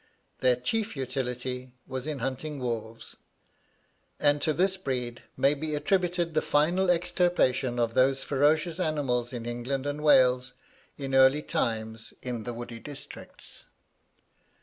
Their chief utility was in hunting wolves, and to this breed may be attributed the final extirpation of those ferocious animals in England and Wales in early times in the woody districts."